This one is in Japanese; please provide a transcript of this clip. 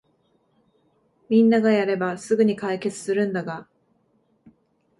みんながやればすぐに解決するんだが